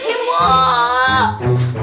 kau sun sun sun